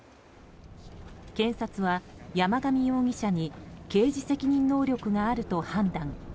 検察は山上容疑者に刑事責任能力があると判断。